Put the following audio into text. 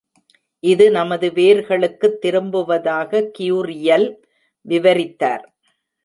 இது நமது வேர்களுக்குத் திரும்புவதாக கியூரியல் விவரித்தார்.